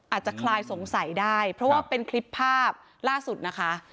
คลายสงสัยได้เพราะว่าเป็นคลิปภาพล่าสุดนะคะ